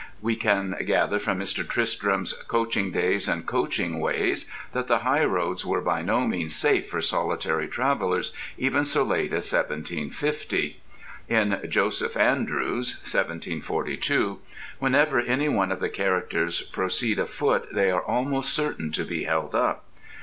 We can gather from Mr. Tristram's "Coaching Days and Coaching Ways" that the highroads were by no means safe for solitary travellers even so late as 1750. In "Joseph Andrews" (1742) whenever any of the characters proceed afoot they are almost certain to be held up.